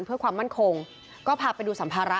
เมื่อก่อนเราก็ผ่านไปดูสัมภาระ